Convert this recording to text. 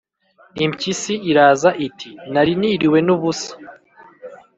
impyisi iraza, iti: "nari niriwe n' ubusa,